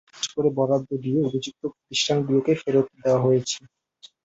সেই অর্থ আবার বিশেষ থোক বরাদ্দ দিয়ে অভিযুক্ত প্রতিষ্ঠানগুলোকে ফেরতও দেওয়া হয়েছে।